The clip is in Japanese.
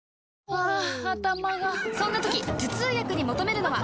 ハァ頭がそんな時頭痛薬に求めるのは？